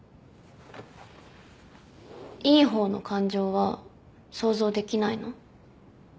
いい方の感情は想像できないの？